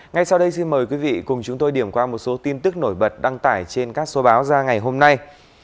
ngay sau đây xin mời quý vị cùng chúng tôi điểm qua một số tin tức nổi bật đăng tải trên các số báo ra ngày hôm nay